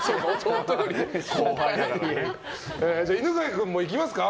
じゃあ犬飼君のいきますか。